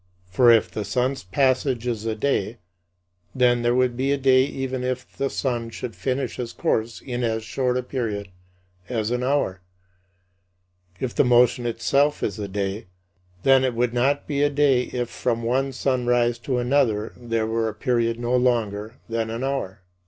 For if the sun's passage is the day, then there would be a day even if the sun should finish his course in as short a period as an hour. If the motion itself is the day, then it would not be a day if from one sunrise to another there were a period no longer than an hour.